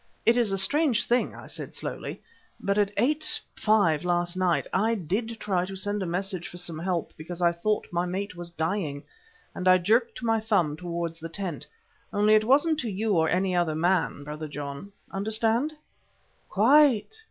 "It is a strange thing," I said slowly, "but at 8.5 last night I did try to send a message for some help because I thought my mate was dying," and I jerked my thumb towards the tent. "Only it wasn't to you or any other man, Brother John. Understand?" "Quite.